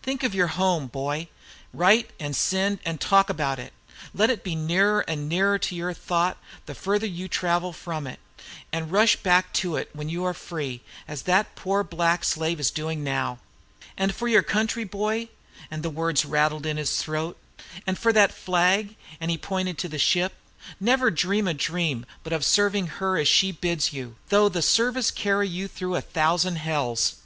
Think of your home, boy; write and send, and talk about it. Let it be nearer and nearer to your thought, the farther you have to travel from it; and rush back to it when you are free, as that poor black slave is doing now. And for your country, boy," and the words rattled in his throat, " and for that flag," and he pointed to the ship, "never dream a dream but of serving her as she bids you, though the service carry you through a thousand hells.